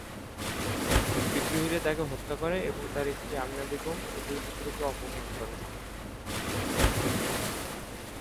বিদ্রোহীরা তাকে হত্যা করে এবং তার স্ত্রী আমেনা বেগম ও দুই পুত্রকে অপহরণ করে।